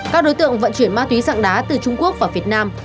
các đối tượng vận chuyển ma túy sạng đá từ trung quốc và việt nam